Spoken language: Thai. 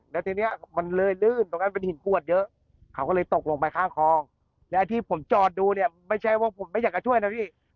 แล้วทีนี้มันเลยลื่นตรงนั้นเป็นหินกวดเยอะเขาก็เลยตกลงไปข้างคลองและไอ้ที่ผมจอดดูเนี่ยไม่ใช่ว่าผมไม่อยากจะช่วยนะพี่